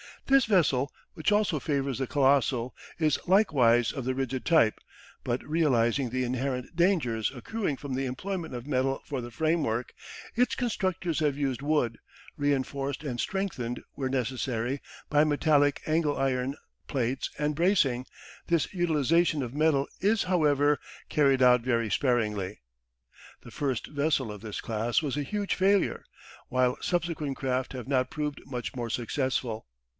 This vessel, which also favours the colossal, is likewise of the rigid type, but realising the inherent dangers accruing from the employment of metal for the framework, its constructors have used wood, reinforced and strengthened where necessary by metallic angle iron, plates, and bracing; this utilisation of metal is, however, carried out very sparingly. The first vessel of this class was a huge failure, while subsequent craft have not proved much more successful.